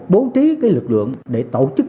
bố trí cái lực lượng để tổ chức